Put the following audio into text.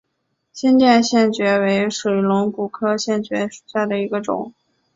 新店线蕨为水龙骨科线蕨属下的一个种。